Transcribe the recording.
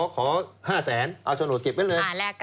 ขอ๕แสนเอาชะโนธเก็บไปเลย